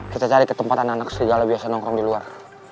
kita cari ke tempat anak anak segala biasa nongkrong di luar